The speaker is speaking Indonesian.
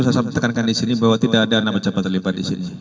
saya tegankan disini bahwa tidak ada nama jabatan lipat disini